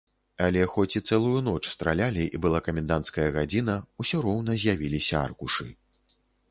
Але хоць і цэлую ноч стралялі і была каменданцкая гадзіна, усё роўна з'явіліся аркушы.